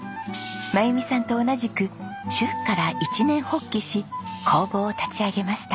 真由美さんと同じく主婦から一念発起し工房を立ち上げました。